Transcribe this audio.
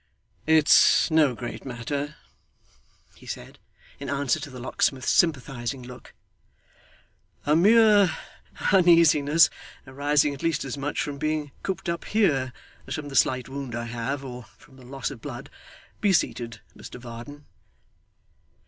'It's no great matter,' he said, in answer to the locksmith's sympathising look, 'a mere uneasiness arising at least as much from being cooped up here, as from the slight wound I have, or from the loss of blood. Be seated, Mr Varden.